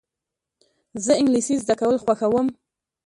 زه انګلېسي زده کول خوښوم.